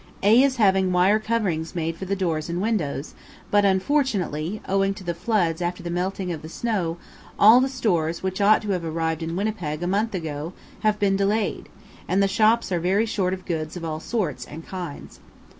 A is having wire coverings made for the doors and windows; but, unfortunately, owing to the floods after the melting of the snow, all the stores which ought to have arrived in Winnipeg a month ago have been delayed, and the shops are very short of goods of all sorts and kinds.